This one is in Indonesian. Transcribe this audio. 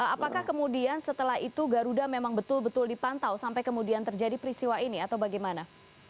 apakah kemudian setelah itu garuda memang betul betul dipantau sampai kemudian terjadi peristiwa ini atau bagaimana